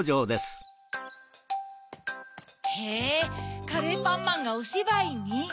へぇカレーパンマンがおしばいに？